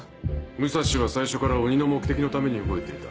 武蔵は最初から鬼の目的のために動いていた。